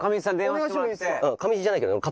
上地じゃないけどね。